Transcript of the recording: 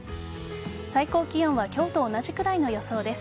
最高気温は今日と同じくらいの予想です。